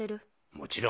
もちろん。